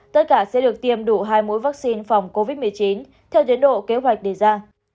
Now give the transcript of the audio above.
tất cả sẽ được tiêm đủ hai mũi vaccine phòng covid một mươi chín theo tiến độ kế hoạch đề ra